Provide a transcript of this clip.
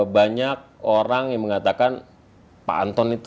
banyak orang yang mengatakan pak anton itu enggak ramah ke kanan katanya gitu